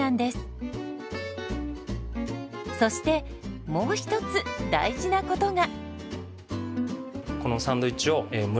そしてもう一つ大事なことが。